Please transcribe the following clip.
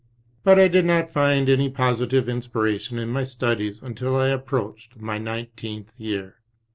But I did not find any positive inspiration in my studies until I approached my nineteenth year.